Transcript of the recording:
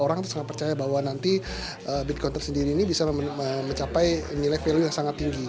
orang itu sangat percaya bahwa nanti bitcoin tersendiri ini bisa mencapai nilai value yang sangat tinggi